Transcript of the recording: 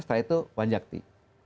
setelah itu wan jakti